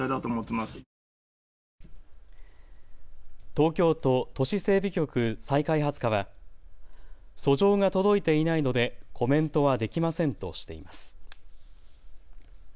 東京都都市整備局再開発課は訴状が届いていないのでコメントはできませんとしています。